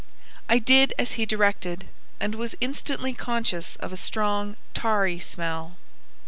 I did as he directed, and was instantly conscious of a strong tarry smell.